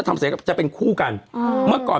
ไปอายุเวอร์